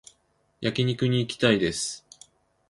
焼肉に行きたいです